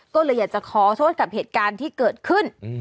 ก็เลยอยากจะขอโทษกับเหตุการณ์ที่เกิดขึ้น